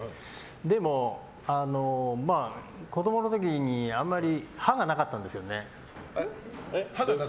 でも、子供の時にあんまり歯がなかったんですよね。